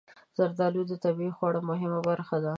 زردالو د طبعي خواړو مهمه برخه ده.